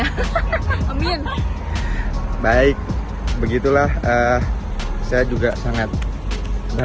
ya namanya juga reporter kerjaannya nggak sih